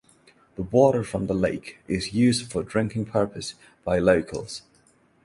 The water from the lake is used for drinking purpose by locals.